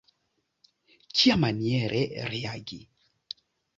Kiamaniere reagi?